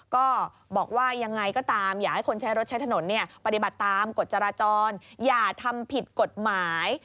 ก็บอกว่ายังไงก็ตามอยากให้คนใช้รถใช้ถนนปฏิบัติตามกฎจราจรอย่าทำผิดกฎหมาย